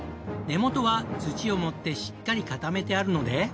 根元は土を盛ってしっかり固めてあるので。